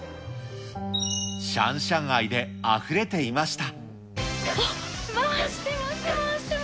シャンシャン愛であふれていました。